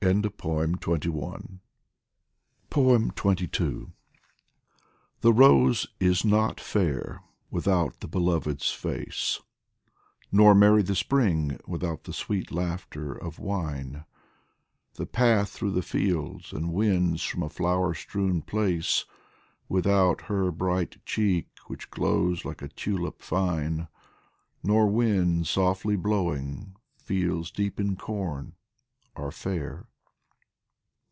XXII THE rose is not fair without the beloved's face, Nor merry the Spring without the sweet laughter of wine ; The path through the fields, and winds from a flower strewn place, Without her bright cheek, which glows like a tulip fine, Nor winds softly blowing, fields deep in corn, are fair.